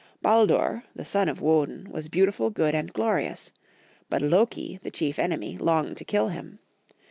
Baldur, the son of Woden, was beautiful, good, and glorious ; but Loki, the chief enemy, longed to kill him.